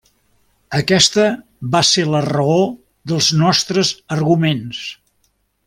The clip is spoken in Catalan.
Aquesta va ser la raó dels nostres arguments.